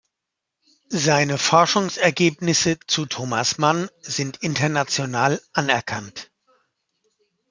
Seine Forschungsergebnisse zu Thomas Mann sind international anerkannt.